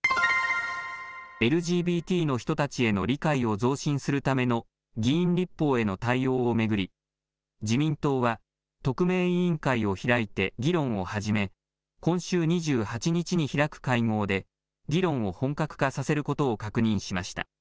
ＬＧＢＴの人たちへの理解を増進するための議員立法への対応を巡り、自民党は特命委員会を開いて議論を始め、今週２８日に開く会合で、議論を本格化させることを確認しました。